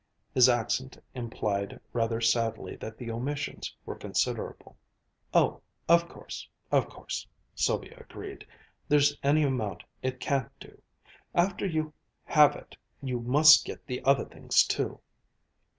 His accent implied rather sadly that the omissions were considerable. "Oh, of course, of course," Sylvia agreed. "There's any amount it can't do. After you have it, you must get the other things too."